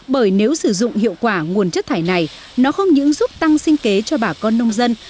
bởi nếu sử dụng hiệu quả nguồn chất thải này nó không những giúp tăng sinh kế cho bà con nông dân